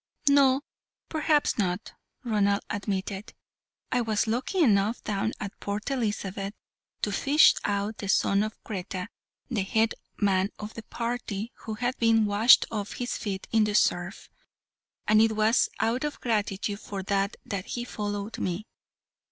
"No, perhaps not," Ronald admitted. "I was lucky enough down at Port Elizabeth to fish out the son of Kreta, the head man of the party, who had been washed off his feet in the surf; and it was out of gratitude for that that he followed me."